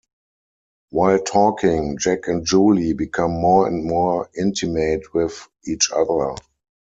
While talking, Jack and Julie become more and more intimate with each other.